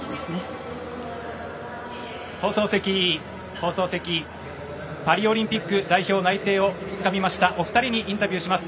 放送席、パリオリンピック代表内定をつかみましたお二人にインタビューをします。